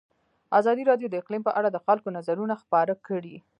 ازادي راډیو د اقلیم په اړه د خلکو نظرونه خپاره کړي.